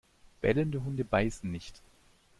Bellende Hunde beißen nicht!